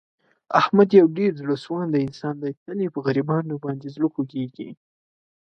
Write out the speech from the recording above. احمد یو ډېر زړه سواندی انسان دی. تل یې په غریبانو باندې زړه خوګېږي.